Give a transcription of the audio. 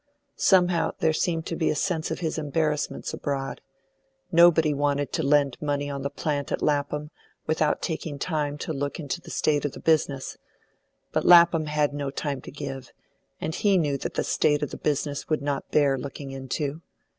Somehow, there seemed a sense of his embarrassments abroad. Nobody wanted to lend money on the plant at Lapham without taking time to look into the state of the business; but Lapham had no time to give, and he knew that the state of the business would not bear looking into.